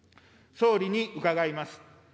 総理に伺います。